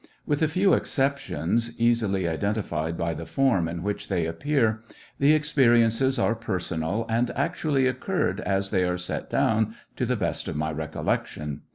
With a few exceptions, easily identified by the form in which they appear, the experiences are personal and actually occurred as they are set down, to the best of my recollection.